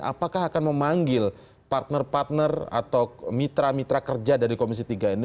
apakah akan memanggil partner partner atau mitra mitra kerja dari komisi tiga ini